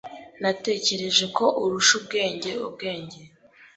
Natekereje ko urusha ubwenge ubwenge.